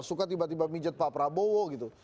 suka tiba tiba mijat pak prabowo gitu